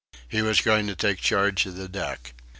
He was going to take charge of the deck.